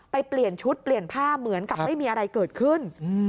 เปลี่ยนชุดเปลี่ยนผ้าเหมือนกับไม่มีอะไรเกิดขึ้น